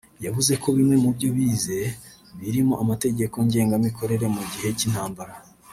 yavuze ko bimwe mu byo bize ; birimo amategeko ngenga mikorere mu gihe cy’intambara